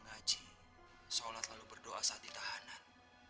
tapi saya belum punya anak